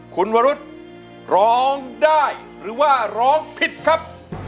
คุณวรุษร้องได้หรือว่าร้องผิดครับ